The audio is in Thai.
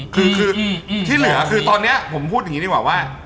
คือที่เหลือคือตอนนี้ผมพูดอย่างนี้ดีกว่าว่า